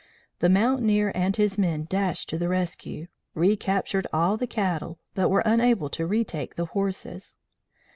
The mountaineer and his men dashed to the rescue, recaptured all the cattle, but were unable to retake the horses.